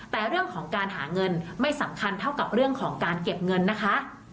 แต่เรื่องของการหาเงินไม่สำคัญเท่ากับเรื่องของการเก็บเงินนะคะ